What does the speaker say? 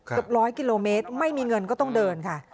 เกือบร้อยกิโลเมตรไม่มีเงินก็ต้องเดินค่ะ